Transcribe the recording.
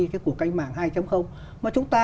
cái cuộc canh mạng hai mà chúng ta